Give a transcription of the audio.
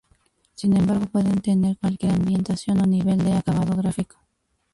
Sin embargo, pueden tener cualquier ambientación o nivel de acabado gráfico.